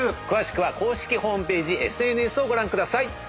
詳しくは公式ホームページＳＮＳをご覧ください。